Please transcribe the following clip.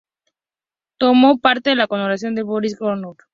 Tomó parte en la coronación de Borís Godunov.